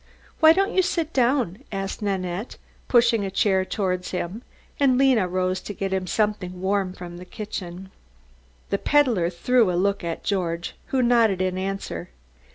"Why don't you sit down?" asked Nanette, pushing a chair towards him, and Lena rose to get him something warm from the kitchen. The peddler threw a look at George, who nodded in answer.